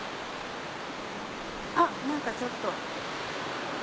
あっ何かちょっと。